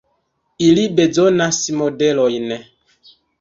Ili bezonas modelojn.